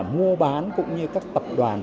mua bán cũng như các tập đoàn